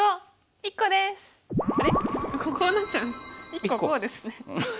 １個こうですね。